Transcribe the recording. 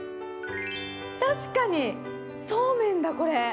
確かにそうめんだこれ。